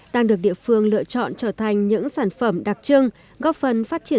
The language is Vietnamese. đang được địa phương lựa chọn trở thành những sản phẩm đặc trưng góp phần phát triển